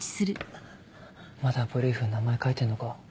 まだブリーフに名前書いてんのか？